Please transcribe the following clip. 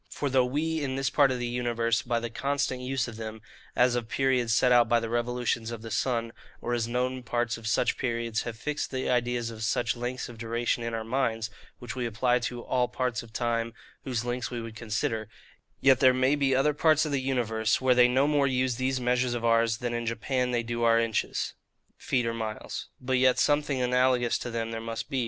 For, though we in this part of the universe, by the constant use of them, as of periods set out by the revolutions of the sun, or as known parts of such periods, have fixed the ideas of such lengths of duration in our minds, which we apply to all parts of time whose lengths we would consider; yet there may be other parts of the universe, where they no more use these measures of ours, than in Japan they do our inches, feet, or miles; but yet something analogous to them there must be.